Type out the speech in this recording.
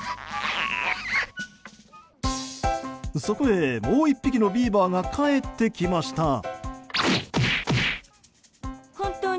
そこへ、もう１匹のビーバーが帰ってきました。